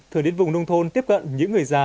thường đến vùng nông thôn tiếp cận những người già